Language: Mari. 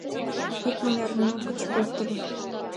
Икмыняр минут гыч пӧртыльӧ.